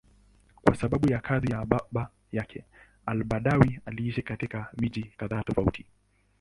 Kwa sababu ya kazi ya baba yake, al-Badawi aliishi katika miji kadhaa tofauti.